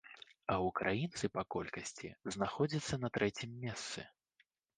А ўкраінцы па колькасці знаходзяцца на трэцім месцы.